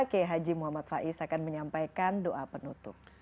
kei haji muhammad faiz akan menyampaikan doa penutup